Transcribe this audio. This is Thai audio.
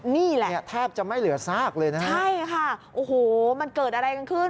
นี่แหละใช่ค่ะโอ้โหมันเกิดอะไรกันขึ้น